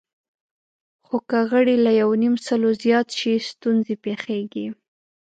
خو که غړي له یونیمسلو زیات شي، ستونزې پېښېږي.